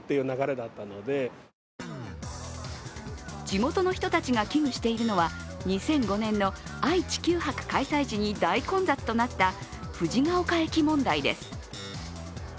地元の人たちが危惧しているのは２００５年の愛・地球博開催時に大混雑となった藤が丘駅問題です。